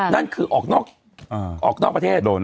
นั่นคือออกนอกประเทศ